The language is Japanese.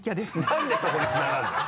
なんでそこにつながるの？